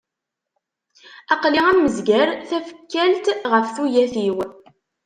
Aql-i am uzger, tafekkalt ɣef tuyat-iw.